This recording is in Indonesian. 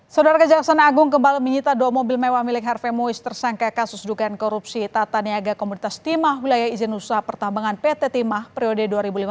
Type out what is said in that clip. saudara kejaksaan agung kembali menyita dua mobil mewah milik harve muis tersangka kasus dugaan korupsi tata niaga komunitas timah wilayah izin usaha pertambangan pt timah periode dua ribu lima belas dua ribu